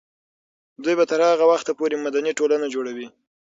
دوی به تر هغه وخته پورې مدني ټولنه جوړوي.